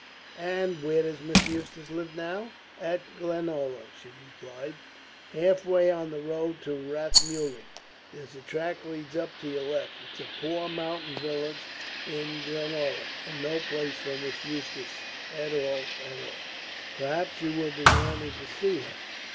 "And where does Miss Eustace live now?" "At Glenalla," she replied. "Halfway on the road to Rathmullen there's a track leads up to your left. It's a poor mountain village is Glenalla, and no place for Miss Eustace, at all, at all. Perhaps you will be wanting to see her?"